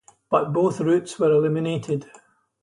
But both routes were eliminated.